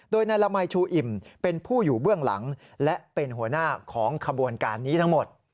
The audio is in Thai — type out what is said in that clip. โดยนายละมัยชูอิ่มเป็นผู้อยู่เบื้องหลังและเป็นหัวหน้าของขบวนการนี้ทั้งหมด